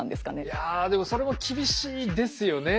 いやでもそれも厳しいですよね